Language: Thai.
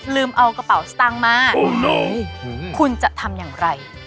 เอากระเป๋าสตางค์มาคุณจะทำอย่างไร